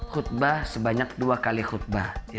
khutbah sebanyak dua kali khutbah